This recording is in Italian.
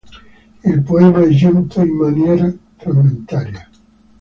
Il poema è giunto in maniera frammentaria.